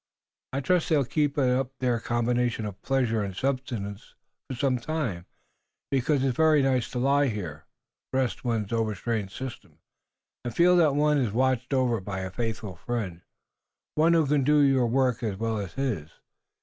"I trust they'll keep up their combination of pleasure and sustenance some time, because it's very nice to lie here, rest one's overstrained system, and feel that one is watched over by a faithful friend, one who can do your work as well as his.